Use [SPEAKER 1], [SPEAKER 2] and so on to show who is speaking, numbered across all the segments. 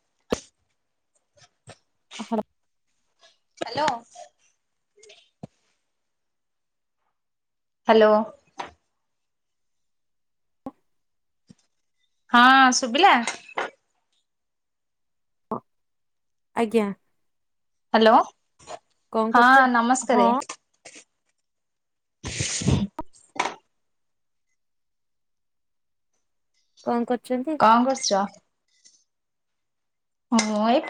[SPEAKER 1] [inaudible]
[SPEAKER 2] ହୋଉ।
[SPEAKER 1] Hello. Hello ହଁ ଶୁଭିଲା।
[SPEAKER 2] ହଁ, ଆଜ୍ଞା।
[SPEAKER 1] ହ୍ୟାଲୋ।
[SPEAKER 2] କଣ
[SPEAKER 1] ହଁ
[SPEAKER 2] କରୁଛ? ହଁ
[SPEAKER 1] ନମସ୍କାରେ।
[SPEAKER 2] କଣ କର?
[SPEAKER 1] କଣ କରୁଛ? ହୁଁ।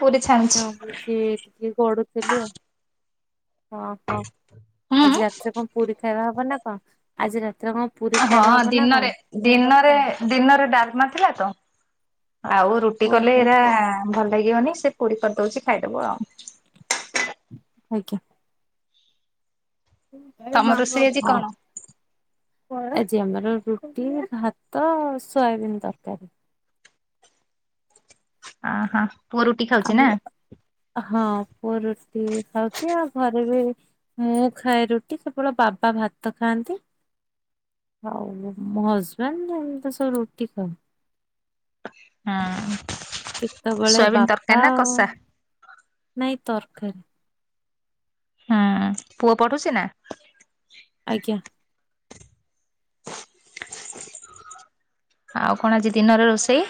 [SPEAKER 2] ହ ହଉଛି ଟିକେ ଗଡୁଥିଲି ଆଉ। ଓହୋ
[SPEAKER 1] ହୁଁ
[SPEAKER 2] ଆଜି ରାତିରେ କଣ ପୁରୀ ଖାଇବା ହବ ନା କଣ? ଆଜିର
[SPEAKER 1] ହଁ ଦିନରେ ଦିନରେ ଦିନରେ ଡାଲମା ଥିଲା ତ। ଆଉ ରୁଟି କଲେ
[SPEAKER 2] ଓହୋ
[SPEAKER 1] ଏଇରା ଭଲ ଲାଗିବନି ସେ ପୁରୀ କରିଦଉଛି ଖାଇଦବୁ ଆଉ।
[SPEAKER 2] ଆଜ୍ଞା।
[SPEAKER 1] ତମ ରୋଷେଇ ଆଜି କଣ?
[SPEAKER 2] ହଁଛି ଆମର [unintelligible] ରୁଟି ଭାତ ସୋୟାବିିନ ତରକାରୀ।
[SPEAKER 1] ହ ହଁ।
[SPEAKER 2] ଆମର ହଁ ପୁଅ ରୁଟି ଖାଉଛି ଆଉ ଘରେ ବି ମୁଁ ଖାଏ ରୁଟି ସେବବେ ବାବା ଭାତ ଖାଆନ୍ତି। ହଉ ହଜବାଣ୍ଡ ତସ ରୋଟି ଖାଉ।
[SPEAKER 1] ହୁଁ
[SPEAKER 2] କେତେବେଳେ
[SPEAKER 1] ସୋୟାବିନ
[SPEAKER 2] ବାପା
[SPEAKER 1] ତରକାରୀ ନା କଷା।
[SPEAKER 2] ତରକାରି।
[SPEAKER 1] ହୁଁ ପୁଅ ପଠୁଛି ନା।
[SPEAKER 2] ଆଜ୍ଞା।
[SPEAKER 1] ଆଉ କଣ ଆଜି ଦିନରେ ରୋଷେଇ।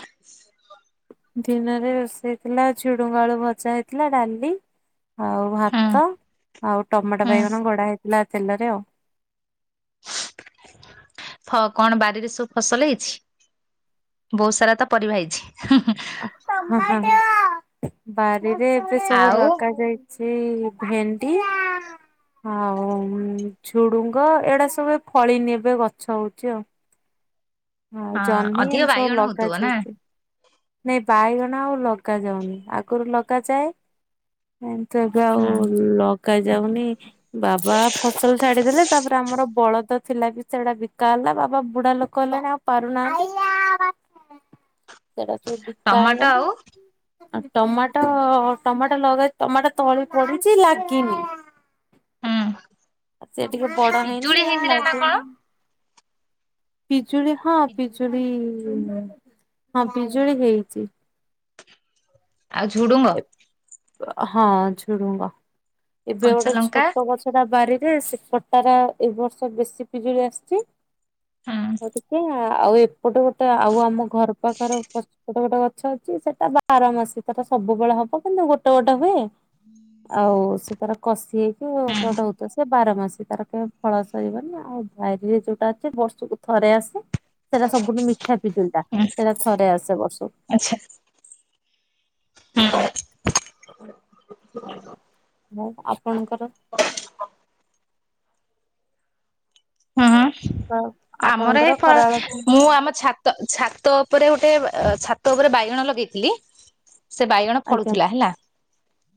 [SPEAKER 2] ଦିନରେ ରୋଷେଇଥିଲା ଝିଡୁଙ୍ଗ ଆଳୁ ଭଜା ହେଇଥିଲା ଡାଲି ଆଉ
[SPEAKER 1] ହୁଁ।
[SPEAKER 2] ଭାତ ଆଉ ଟମାଟୋ
[SPEAKER 1] ହୁଁ
[SPEAKER 2] ବାଇଗଣ ଗୋଡା ହେଇଥିଲା ତେଲରେ ଆଉ।
[SPEAKER 1] କଣ ବାରିରେ ସବୁ ଫସଲ ହେଇଛି ବହୁତ ସାରା ତ ପରିବା ହେଇଛି।
[SPEAKER 2] [unintelligible] ବରେ ଦଦ ଏବେ ସବୁ
[SPEAKER 1] ଆଉ
[SPEAKER 2] ଲଗାଯ ଯାଇ ସେ ଭେଣ୍ଡି ହଉ। ଝୁଡୁଙ୍ଗ ଏଇଡା ସବୁ ଫଳି ନେବେ ଗଛ ହଉଛି ଆଉ। ହଁ ଜହ୍ନି ଏ
[SPEAKER 1] ଅଧିକ
[SPEAKER 2] ସହ
[SPEAKER 1] ବାଇଗଣ ହଉଥିବ
[SPEAKER 2] ଲଗାାଯ
[SPEAKER 1] ନା
[SPEAKER 2] ହେଇଛି। ନାଇଁ ବାଇଗଣ ଆଉ ଲଗା ଯାଉନି ଆଗରୁ ଲଗାଯାଏ। ତ ଏବେ ଆଉ
[SPEAKER 1] ହଁ
[SPEAKER 2] ଲ ପକା ଯାଉନି ବାବା ଫସଲ ଛାଡିଦେଲେ ତାପରେ ଆମର ବଳଦ ଥିଲା ବି ସେଟା ବିକା ହେଲା ବାବା ବୁଢା ଲୋକ ହେଲେଣି ଆଉ ପାରୁନାହାନ୍ତି। ସେଇଟା ସବୁ ବିକା
[SPEAKER 1] ଟମାଟୋ
[SPEAKER 2] ହେଇଗଲା।
[SPEAKER 1] ଆଉ
[SPEAKER 2] ଆଉ ଟମାଟୋ ଟମାଟୋ ଲଗେଇ ଟମାଟୋ ତଳି ପଡିଛି ଲାଗିନି।
[SPEAKER 1] ହୁଁ
[SPEAKER 2] ସିଏ ଟିକେ ବଡ
[SPEAKER 1] ପିଜୁଳି
[SPEAKER 2] ହେଇନି ଆଉ
[SPEAKER 1] ହେଇଥିଲା ନା
[SPEAKER 2] ଲାଗିନି।
[SPEAKER 1] କଣ
[SPEAKER 2] ଠିକ। ପିଜୁଳି ହଁ
[SPEAKER 1] ପିଜୁ
[SPEAKER 2] ପିଜୁଳି ହୁଁ ହ। ହଁ ପିଜୁଳି ହେଇଛି।
[SPEAKER 1] ଆଉ ଝୁଡ଼ଙ୍ଗ?
[SPEAKER 2] ହଁ ଝୁଡଙ୍ଗ। ଏବେ
[SPEAKER 1] କଞ୍ଚା
[SPEAKER 2] ଗୋଟେ
[SPEAKER 1] ଲଙ୍କା
[SPEAKER 2] ଛୋଟ ଗଛ ଟା ବାରି ଯେ ସେ କଟାରା ଏ ବର୍ଷ ବେଶୀ ପିଜୁଳି ଆସିଛି।
[SPEAKER 1] ହୁଁ
[SPEAKER 2] ଗ ଟିକେ। ଆଉ ଏପଟେ ଗୋଟେ ଆଉ ଆମ ଘର ପାଖର ପଛପଟେ ଗୋଟେ ଗ ଛ ଅଛି ସେଟା ବାର ମାସିକ ଟା ସବୁବେଳେ ହବ କିନ୍ତୁ ଗୋଟେ ଗୋଟେ ହୁଏ। ଆଉ ସେ ତାର କସି। ଟ ଏପଟ ହୁତା। ବାର ମାସ ତାର କେ ଫଳସାରିବନି, ଆଉ ଭାଇରେ ଯୋଉଟା ଅଛି। ବର୍ଷକୁ ଥରେ ଆସେ। ସେଟା ସବୁଠୁ ମିଠା ପିଜୁଳିଟା।
[SPEAKER 1] ହୁଁ
[SPEAKER 2] ସେଟା ଥରେ ଆସେ ବର୍ଷକୁ।
[SPEAKER 1] ହୁଁ [inaudible]
[SPEAKER 2] ହଁ, ଆପଣଙ୍କର [inaudible]
[SPEAKER 1] ହୁଁ ଆମର
[SPEAKER 2] ଆପଣଙ୍କର
[SPEAKER 1] ଏ
[SPEAKER 2] ଖରାବେଳ
[SPEAKER 1] ମୁଁ ଆମ ଛା ଛାତ ଉପରେ ଗୋଟେ ଛାତ ଉପରେ ବାଇଗଣ ଲଗେଇଥିଲି। ସେ ବାଇଗଣ
[SPEAKER 2] ଆଜ୍ଞା
[SPEAKER 1] ଫଳୁଥିଲା ହେଲା।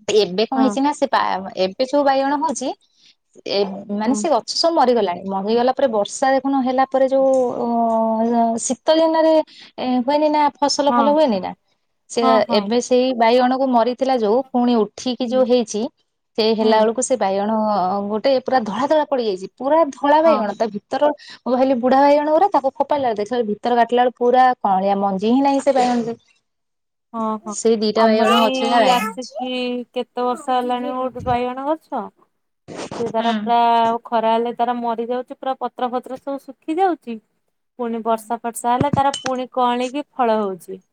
[SPEAKER 1] ତ, ଏବେ କଣ
[SPEAKER 2] ହଁ
[SPEAKER 1] ହେଇଛି ନା ସେ ପା ଏବେ ସବୁ ବାଇଗଣ ହଉଛି। ଏ
[SPEAKER 2] ହଁ
[SPEAKER 1] ମାନେ ସେ ଗଛ ସବୁ ମରିଗଲାଣି। ମରିଗଲା ପରେ ବର୍ଷା ଦେଖୁନ ହେଲା। ପରେ ଯୋଉ ଅ ଶୀତ ଦିନରେ ହୁଏନି। ନା ଫସଲ
[SPEAKER 2] ହଁ
[SPEAKER 1] ଭଲ ହୁଏନି। ନା ସେ
[SPEAKER 2] ହଁ ହଁ
[SPEAKER 1] ଏବେ ସେଇ ବାଇଗଣକୁ ମ ଥିଲା ଯଉ ପୁଣି ଉଠି ଯଉ
[SPEAKER 2] ହୁଁ
[SPEAKER 1] ହେଇଛି ସେ
[SPEAKER 2] ହୁଁ
[SPEAKER 1] ହେଲା ବେଳକୁ ସେ ବାଇଗ ଗୋଟେ ପୁରା ଧଳା ଧଳା ପଡିଯାଇଛି ପୁରା ଧଳା
[SPEAKER 2] ହଁ।
[SPEAKER 1] ବାଇଗଣ ତା ଭିତର ମୁଁ ଭାବିଲି ବୁଢା ବାଇଗଣଉରା ତାକୁ ଖୋପାଇଲା ବେଳେ ଦେଖିଲଳେ ଭିତର କାଟିଲା ବେଳ ପୁରା କଁଅଳିଆ ମଞ୍ଜି ହିଁ ନାହିଁ ସେ ବାଇଗଣ ରେ।
[SPEAKER 2] ହଁ ହଁ
[SPEAKER 1] ସେଇ ଦିଟା
[SPEAKER 2] ଆମର ଏଇ
[SPEAKER 1] ବାଇଗଣ ହେଇଛି।
[SPEAKER 2] ଆସକି କେତେ ବର୍ଷ ହେଲାଣି ଗୋଠି ବାଇଗଣ ଗଛ ସେ ତାର ପୁରା ଖରା ହେଲେ ତାରା ମରି ଯାଉଛି ପୁରା ପତ୍ର ପତ୍ର ସବୁ ଶୁଖି ଯାଉଛି ପୁଣି ବର୍ଷା ଫର୍ଷା ହେଲେ ତାର ପୁଣି କଁଅଳୀକି ଫଳ ହଉଛି।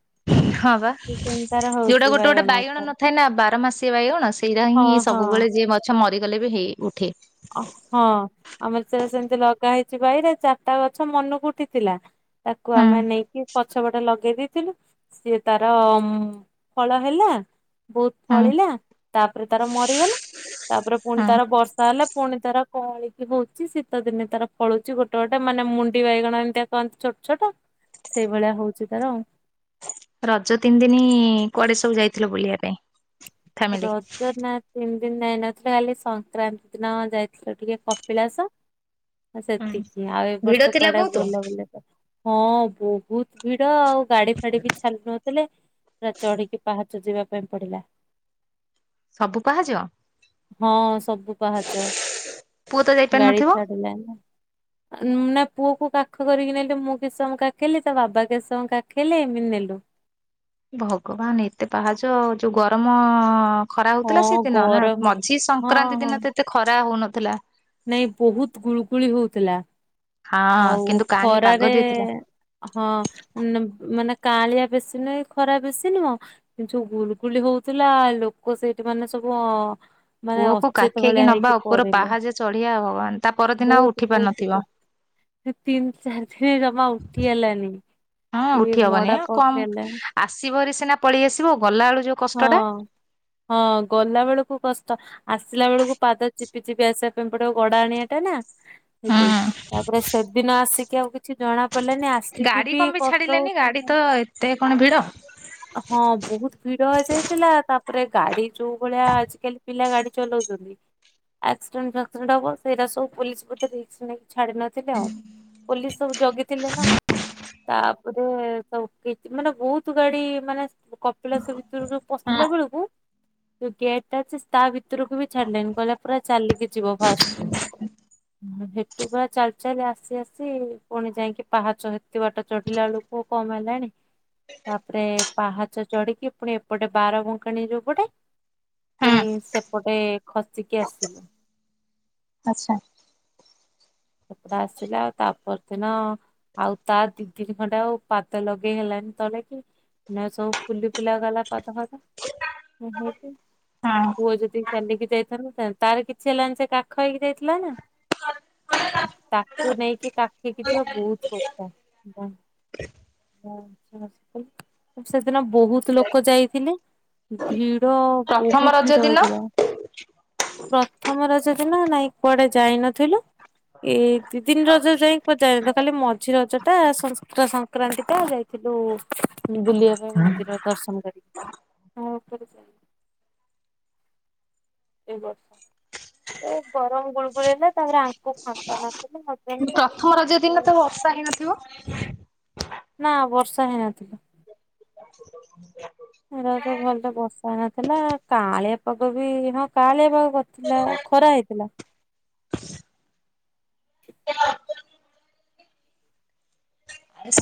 [SPEAKER 1] ହଁ ବା
[SPEAKER 2] ସେମିତି ତାର ହଉଛି
[SPEAKER 1] ଯୋଉଟା ଗୋଟେ ଗୋଟେ ବାଇଗଣ
[SPEAKER 2] ଗଛ।
[SPEAKER 1] ନଥାଏ ନା ବାର ମାସି ବାଇଗଣ ସେଇଟା
[SPEAKER 2] ହଁ
[SPEAKER 1] ହିଁ
[SPEAKER 2] ହଁ
[SPEAKER 1] ସବୁବେଳେ ଯିଏ ଗଛ ମରି ଗଲେ ବି ହେଇ ଉଠେ।
[SPEAKER 2] ହଁ ଆମର ସେ ସେମିତି ଲଗା ହେଇକି ସେବାଇରେ ଚାରିଟା ଗଛ ମନକୁ ଉଠିଥିଲା। ତାକୁ
[SPEAKER 1] ହୁଁ
[SPEAKER 2] ଆମେ ନେଇକି ପଛ ପଟା ଲଗେଇ ଦେଇଥିଲୁ ସିଏ ତାର ଫଳ ହେଲା ବହୁତ
[SPEAKER 1] ହୁଁ
[SPEAKER 2] ଫଳିଲା ତାପରେ ତାର ମରିଗଲା ତାପରେ ପୁଣି
[SPEAKER 1] ହୁଁ
[SPEAKER 2] ତାର ବର୍ଷା ହେଲେ ପୁଣି ତାର କଁଳିକି ହଉଛି ଶୀତ ଦିନେ ତାର ଫଳୁଛି ଗୋଟେ ଗୋଟେ ମାନେ ମୁଣ୍ଡି ବାଇଗଣ ଏମିତିଆ କନ୍ତି ଛୋଟ ଛୋଟ ସେଇଭଳିଆ ହଉଛି ତାର ଆଉ।
[SPEAKER 1] ରଜ ତିନି ଦିନ କୁଆଡେ ସବୁ ଯାଇଥିଲ ବୁଲିବା ପାଇଁ? ଫ୍ୟାମିଲି?
[SPEAKER 2] ରଜ ନା ତିନି ନେଇ ନଥିଲେ ଖାଲି ସଂକ୍ରାନ୍ତି ଦିନ ଯାଇଥିଲ ଟିକେ କପିଳାସ। ହ
[SPEAKER 1] ହୁଁ
[SPEAKER 2] ସେତିକି ଆଉ ଏ
[SPEAKER 1] ଭିଡ
[SPEAKER 2] ବର୍ଷ
[SPEAKER 1] ଥିଲା
[SPEAKER 2] କୁଆଡେ
[SPEAKER 1] ବହୁତ?
[SPEAKER 2] ବୁଲା ବୁଲି ହଁ ବହୁତ ଭ ଆଉ ଗାଡି ଫାଡି ବି ଛାଲୁ ନଥିଲେ ପୁରା ଚଢିକି ପାହା ଯିବା ପାଇଁ ପଡିଲା।
[SPEAKER 1] ସବୁ ପାହାଜ?
[SPEAKER 2] ହଁ ସବୁ ପାହାଚ
[SPEAKER 1] ପୁଅ ତ
[SPEAKER 2] ଗାଡି
[SPEAKER 1] ଯାଇପାରିନଥିବ?
[SPEAKER 2] ଛାଡିଲନି ନା ପୁଅ କୁ କାଖ କରିକି ନେଲି ମୁଁ କିଛି ସମୟ କାଖେଇଲି ତା ବାବା କେସବୁ କାଖେଇଲେ ଏମିତି ନେଲୁ।
[SPEAKER 1] ଭଗବାନ ଏତେ ପାହାଚ ଯୋଉ ଗରମ ଖରା ହଉଥିଲା
[SPEAKER 2] ହଁ
[SPEAKER 1] ସେଇଦିନ ନା
[SPEAKER 2] ଗରମ
[SPEAKER 1] ମଝି ସଂକ୍ରାନ୍ତି ଦିନ ତ ଏତେ ଖରା ହଉନଥିଲା ଥିଲା।
[SPEAKER 2] ନାଇ ବହୁତ ଗୁଳୁଗୁଳି ହଉଥିଲା।
[SPEAKER 1] ହଁ
[SPEAKER 2] ଆଉ
[SPEAKER 1] କିନ୍ତୁ କାଁଳିଆ ପାଗ
[SPEAKER 2] ଖରାରେ
[SPEAKER 1] ଦେଇଥିଲା।
[SPEAKER 2] ହଁ ମାନେ କାଳିଆ ବେଶୀ ନୁହ ଖରା ବେଶୀ ନୁହଁ କିନ୍ତ ଯୋଉ ଗୁଲଗୁଳି ହଉଥିଲା ଲୋକ ସେଇଠି ମାନେ ସବୁ ମାନେ
[SPEAKER 1] ପୁଅକୁ
[SPEAKER 2] ଅଚେତ
[SPEAKER 1] କାଖେଇକି
[SPEAKER 2] ଭଳିଆ
[SPEAKER 1] ନବା
[SPEAKER 2] ହେଇକି
[SPEAKER 1] ଉପର
[SPEAKER 2] ପଡିଲା
[SPEAKER 1] ପାହାଚ ଚଢିବା ଭଗବାନ ତା ପରଦିନ ଆଉ
[SPEAKER 2] ବହୁତ
[SPEAKER 1] ଉଠି ପାରୁ
[SPEAKER 2] ବହୁତ
[SPEAKER 1] ନଥିବ।
[SPEAKER 2] କ- ତିନି ଚାରି ଦିନ ଜମା ଉଠି ହେଲାନି
[SPEAKER 1] ହଁ
[SPEAKER 2] କି
[SPEAKER 1] ଉଠି ହବନି
[SPEAKER 2] ମଡା
[SPEAKER 1] ଆ କମ
[SPEAKER 2] ପକେଇଲାନ
[SPEAKER 1] ଆସିବରି ସିନା ପଳେଇ ଆସିବ ଗଲା ବେଳୁ ଯୋଉ କଷ୍ଟ ଟା।
[SPEAKER 2] ହଁ ହଁ ଗଲା ବେଳକୁ କଷ୍ଟ। ଆସିଲା ବେଳକୁ ପାଦ ଚିପି ଚିପି ଆସିବା ପାଇଁ ପଡେ ଗଡା ଆଣିବା ଟା ନା।
[SPEAKER 1] ହୁଁ
[SPEAKER 2] [inaudible] ତାପରେ ସେଦିନ ଆସିକି କେଉ କିଛି ଜଣା ପଡ଼ିଲାନି ଆସିକି
[SPEAKER 1] ଗାଡି
[SPEAKER 2] ବି
[SPEAKER 1] କଣ ପାଇଁ
[SPEAKER 2] କଷ୍ଟ
[SPEAKER 1] ଛାଡିଲେନି ଗାଡି
[SPEAKER 2] ହଉଥିଲା
[SPEAKER 1] ତ ଏତେ କଣ ଭିଡ।
[SPEAKER 2] ହଁ ବହୁତ ଭିଡ ହେଇଯାଇଥିଲା ତା ତାରେ ଗାଡି ଯୋଉ ଭଳିଆ ଆଜିକାଲି ପିଲା ଗାଡି ଚଲାଉଛନ୍ତି ଆକ୍ସିଡେଣ୍ଟ ଫକ୍ସିଡେଣ୍ଟ ହବ ସେଇଟା ସବୁ ପୋଲିସ ବୋଧେ ରିକ୍ସ ନେଇ ଛାଡି ନଥିଲେ ଆଉ ପୋଲିସ ସବୁ ଜଗିଥିଲେ ନା ତାପରେ ସବୁ ମାନେ ବହୁତ ଗାଡି ମାନେ କପିଳାସ ଭିତର ଯ ପଶିଲା ବେଳକୁ ଯୋଉ ଗେଟା ଅଛି ତା ଭିତରକୁ ବି ଛାଡିଲେଣିି ଗହିଲ ପୁରା ଚାଲିକି ଯିବ ଫାଷ୍ଟରୁ। ଟୁଗ ଚାଲି ଚାଲି ଆସି ଆସି ପୁଣି ଯାଇକି ପାହାଚ ହେତ ବାଟ ଚଢିଲା ବେଳୁକୁ କମ ହେଲାଣି ତାପରେ ପାହାଚ ଚଢିକି ପୁଣି ଏପଟେ ବାର ବଙ୍କାଣି ଯୋଉପଟେ ପୁଣି ସେପଟେ ଖସିକି ଆସିଲୁ।
[SPEAKER 1] ଆଚ୍ଛା।
[SPEAKER 2] ସେପଟେ ଆସିଲା ଆଉ ତାପ ଦିନ ଆଉ ତା ଦି ଦିନ ଖଣ୍ଡେ ଆଉ ପାଦ ଲଗେଇ ହେଲାନି ତଳେ କି ସବୁ ଫୁଲି ଫୁଲା ଗଲା ପାଦ ଫାଦ ହେଇକି
[SPEAKER 1] ହଁ
[SPEAKER 2] ହୁଏ ଯଦି ଚାଲିକି ଯାଇଥାନ୍ତୁ [unintelligible] ତାର କିଛି ହେଲାନି ସେ କାଖ ହେଇକି ଯାଇଥିଲା ନା। ତାକୁ ନେଇକି କାଖେଇକି ଯିବା ବହୁତ କଷ୍ଟ। [unintelligible] ସେଦିନ ବହୁତ ଲୋକ ଯାଇଥିଲେ। ଭି ଭିଡ
[SPEAKER 1] ପ୍ରଥମ
[SPEAKER 2] ବହୁତ
[SPEAKER 1] ରଜ
[SPEAKER 2] ଭିଡ
[SPEAKER 1] ଦିନ
[SPEAKER 2] ହେଇଥିଲା ପ୍ରଥମର ସେ ନା ନାଇଁ କୁଆଡେ ଯାଇ ନଥିଲୁ। ଏଇ ଦି ଦତିିନ ରଜ ଯାଇକି ପଚାରିନି ତ ଖାଲି ମଝି ରଜ ଟା ସ-ସଂକ୍ରାନ୍ତିଟା ଯାଇଥିଲୁ ବୁଲିବା ପାଇଁ ମନ୍ଦିର ଦର୍ଶନ କରିକି ଉପ ଏଇ ବର୍ଷ ସେ ଗରମ ଗୁଳୁଗୁଳି ହେଲେ ତାପରେ ଆଙ୍କୁୁ ଫାଙ୍କା ନଥିଲା ମ
[SPEAKER 1] ପ୍ରଥମ ରଜ ଦିନ ତ ବର୍ଷା ହେଇ ନଥିବ।
[SPEAKER 2] ନା ବର୍ଷା ହେଇନଥିଲା। ରଜ ଭଲ ତ ବର୍ଷା ନଥିଲା କାଆଁଳିଆ ପାଗ ବି ହଁ କାଆଁଳିଆ ପାଗ କରିଥିଲା ଖରା ହେଇଥିଲା।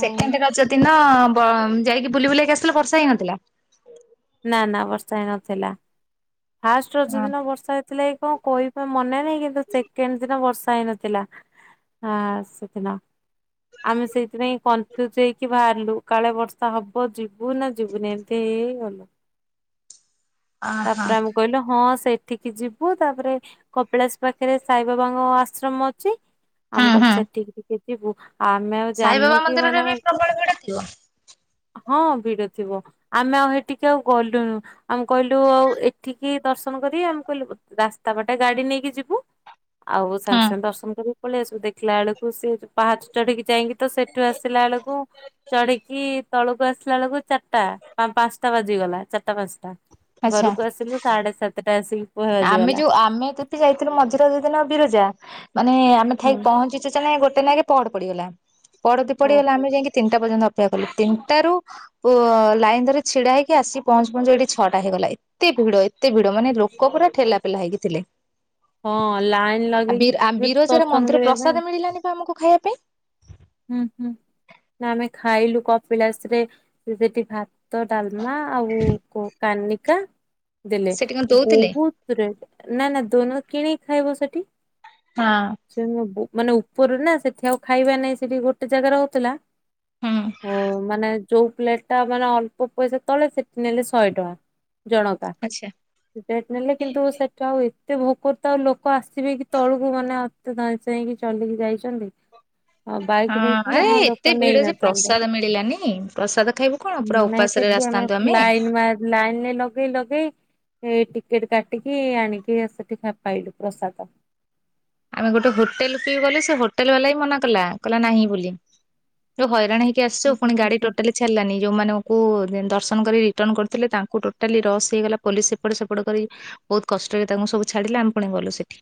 [SPEAKER 2] ହଁ
[SPEAKER 1] ରଜ ଦିନ। ବ ଯାଇକି ବୁଲି ବୁଲାଇକି ଆସିଲ ବର୍ଷା ହେଇନଥିଲା।
[SPEAKER 2] ନା ନା ବର୍ଷା ହେଇ ନଥିଲା। ଫାଷ୍ଟ ରଜ
[SPEAKER 1] ହଁ।
[SPEAKER 2] ଦିନ ବର୍ଷା ହେଇଥିଲେ କଣ କହିବି ବା ମନେ ନାହିଁ କିନ୍ତୁ ସେକେଣ୍ଡ ଦିନ ବର୍ଷା ହେଇନଥିଲା। ଆ ସେଦିନ ଆମେ ସେଇଥିପାଇଁ କନଫ୍ୟୁଜ ହେଇକି ବାହାରିଲୁ କାଳେ ବର୍ଷା ହବ ଯିବୁ ନା ଯିବୁନି ଏମିତି ହେଇ ହେଇ ଗଲୁ।
[SPEAKER 1] ଅହୋ
[SPEAKER 2] ପୁରା ଆମେ କହିଲୁ ହଁ ସେ ସେଠିକି ଯିବୁ ତାପରେ କପିଳାସ ପାଖରେ ସାଇବାବାଙ୍କ ଆଶ୍ରମ ଅଛି ଆମ
[SPEAKER 1] ହୁଁ
[SPEAKER 2] କହିଲୁ
[SPEAKER 1] ହୁଁ
[SPEAKER 2] ସେଠିକି ଟିକେ ଯିବୁ। ଆମେ ଆଉ ଜାଣିନୁ
[SPEAKER 1] ସାଇବାବା
[SPEAKER 2] କି
[SPEAKER 1] ମନ୍ଦିରରେ ବି
[SPEAKER 2] ମାନେ
[SPEAKER 1] ପ୍ରବଳ ଭିଡ ଥିବ?
[SPEAKER 2] ହଁ ଭିଡ ଥିବ ଆମେ ଆଉ ହେଠିକି ଆଉ ଗଲୁନୁ। ଆମେ କହିଲୁ ଆଉ ଏଠିକି ଦର୍ଶନ କରି ଆମେ କହିଲୁ ରାସ୍ତା ବାଟେ ଗାଡି ନେଇକି ଯିବୁ ଆଉ
[SPEAKER 1] ହୁଁ
[SPEAKER 2] ସାଙ୍ଗେ ସାଙ୍ଗେ ଦର୍ଶନ କରିବି। ପଳେଇ ଆସିବୁ। ଦେଖିଲା ବେଳକୁ ସେ ପାହାଚ ଚଢିକି ଯାଇକି ତ ସେଠୁ ଆସିଲା ବେଳକୁ ଚଢିକି ତଳକୁ ଆସିଲା ବେଳକୁ ଚାରଟା ପାଞ୍ଚଟା ବାଜିଗଲା ଚାରଟା ପାଞ୍ଚଟା।
[SPEAKER 1] ଆଚ୍ଛା।
[SPEAKER 2] ଘରକୁ ଆସିଲୁ ସାଢେ ସାତଟା ଆସି
[SPEAKER 1] ଆମେ ଯୋଉ ଆମେ ଏତେତି ଯାଇଥିଲୁ ମଝିରେ ଦି ଦିନ ବିର ଯା ମାନେ ଆମେ ଥାଇ ପହଞ୍ଚିଛୁ [unintelligible] ନାଇ ଗୋଟେ ନାଇକି ପହଡ ପଡ଼ିଗଲା। ପଡତି ପିଡ଼ିଗଲା ଆମେ ଯାଇକି ତିନଟା ପଯ୍ୟନ୍ତ ଅ ସେୟା କହିଲି ତିନଟାରୁ ଉଁ ଅଁ ଲାଇନ ଧରି ଛିଡା ହେଇକି ଆସି ପହଞ୍ଚୁ ପହଞ୍ଚୁ ଏଇଠି ଛଅଟା ହେଇଗଲା। ଏତେ ଭିଡ ଏତେ ଭିଡ ମାନେ ଲୋ କରା ପରା ଠେଲା ପେଲା ହେଇକି ଥିଲେ।
[SPEAKER 2] ହଁ ଲାଇନ ଲଗେଇକି
[SPEAKER 1] ବି-ବିରଜାର
[SPEAKER 2] ଦର୍ଶନ
[SPEAKER 1] ମନ୍ଦିର
[SPEAKER 2] କରିବା ପାଇଁ
[SPEAKER 1] ପ୍ରସାଦ ମିଳିଲାନି ବା ଆମକୁ ଖାଇବା ପାଇଁ।
[SPEAKER 2] ହୁଁ ହୁଁ ଆମେ ନା ଖାଇଲୁ କପିଳାସରେ ସେଠି ଭାତ, ଡାଲ ମା ଆଉ କୋ କାନିକା ଦେଲେ
[SPEAKER 1] ସେଠି କଣ ଦଉଥିଲେ?
[SPEAKER 2] ବହୁତ ଦୂର ନା ନା ଦୋନ କିଣ ଖାଇବ ସେଠୀ।
[SPEAKER 1] ହଁ।
[SPEAKER 2] ସେମ। [unintelligible] ମାନେ ଉପରୁ ନା ସେଠି ଆଉ ଖାଇବା ନା ସେଠି ଗୋଟେ ଜାଗାରେ ରହୁଥିଲା
[SPEAKER 1] ହୁଁ
[SPEAKER 2] ହ ମାନେ ଜଉ ପ୍ଲେଟ ଟା ମାନେ ଅଳ୍ପ ପଇସା ତଳେ ସେଠି ନେଲେ ଶହେ ଟଙ୍କା ଜଣକା
[SPEAKER 1] ଆଚ୍ଛା
[SPEAKER 2] ରେଟ୍ ନେଲେ, କିନ୍ତୁ ସେଠା ହୁଏ ଏତେ ଭୋକର ତ ଆଉ ଲୋକ ଆସିବେ କି ତଳୁକୁ ମାନେ ଏତେ ଧଇଁ ସଇଁକି ଚଲିକି ଯାଇଛନ୍ତି। ହଁ ବାଇକ ନେଇଥିଲେ
[SPEAKER 1] ଆରେ
[SPEAKER 2] ହଁ
[SPEAKER 1] ଏତେ
[SPEAKER 2] ଲୋକ
[SPEAKER 1] ଭିଡ ଯେ
[SPEAKER 2] ନେଇନଥାନ୍ତେ
[SPEAKER 1] ପ୍ରସାଦ ମିଳିଲାନି ପ୍ରସାଦ ଖାଇବୁ କଣ ପୁରା
[SPEAKER 2] ନାଇଁ
[SPEAKER 1] ଉପାସରେ
[SPEAKER 2] ସେଠି ଆମେ
[SPEAKER 1] ଆସିଥାନ୍ତୁ
[SPEAKER 2] ଲାଇ ଲାଇନରେ ଲଗେଇ ଲଗେଇ ଏ ଟିକେଟ କାଟିକି ଆଣିକି ସେଠି ପାଇଲୁ ପ୍ରସାଦ।
[SPEAKER 1] ଆମେ ଗୋଟେ ହୋଟେଲ ପିଇ ଗଲୁ ସେ ହୋଟେଲ ବାଲା ହି ମନା କଲା କଲା ନାହିଁ ବୋଲି, ଯୋଉ ହଇରାଣ ହେଇ ଆସିଚୁ ପୁଣି ଗାଡି ଟୋଟାଲି ଛାଡ଼ିଲାନି ଯୋଉମାନେ କୁ ଦର୍ଶନ କରି ରିଟର୍ଣ କରିଥିଲେ ତାଙ୍କୁ ଟୋଟାଲି ରସ ହେଇଗଲା ପୋଲିସ ସେପଟେ ସେପଟେ କରି ବହୁତ କଷ୍ଟରେ ତାଙ୍କୁ ସବୁ ଛାଡିଲେ ଆମେ ପୁଣି ଗଲୁ ସେଠି।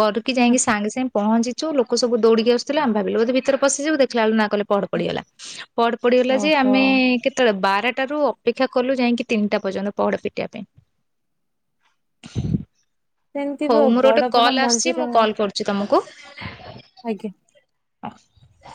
[SPEAKER 1] ଘରୁୁ କି ଯାଇକି ସାଙ୍ଗେ ସାଙ୍ଗେ ପହଞ୍ଚିଛୁ ଲୋକ ସବୁ ଦୌଡିକି ଆସୁଥିଲେ ଆମେ ଭାବିଲୁ ବୋଧେ ଭିତରେ ପଶିଯିବୁ ଦେଖିଲା ବେଳୁ ନା ପହଡ଼ ପଡ଼ିଗଲା ପହଡ଼ ପଡ଼ିଗଲା ଯେ
[SPEAKER 2] ଓହୋ
[SPEAKER 1] ଆମେ କେତେଲ ବାର୍ ଟା ରୁ ଅପେକ୍ଷା କଲୁ ଯାଇକି ତିନିଟା ପର୍ଯ୍ୟନ୍ତ ପହଡା ପିଟିବା ପାଇଁ।
[SPEAKER 2] ସେମିତି ବ
[SPEAKER 1] ହଉ ମୋର ଗୋଟେ
[SPEAKER 2] ବଡ ବଡ
[SPEAKER 1] କଲ୍ ଆସିଛି
[SPEAKER 2] ମନ୍ଦିର
[SPEAKER 1] ମୁଁ କଲ୍ କରୁଛି ତମକୁ। [inaudible]
[SPEAKER 2] ଆଜ୍ଞା।
[SPEAKER 1] ହ [unintelligible]